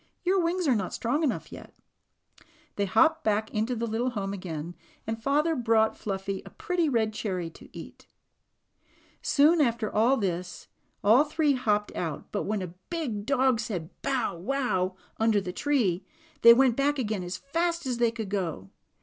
"Your wings are not strong enough yet." They hopped back into the little home again, and father brought Fluffy a pretty red cherry to eat. Soon after this all three hopped out, but when a big dog said "bow wow," under the tree, they went back again as fast as they could go.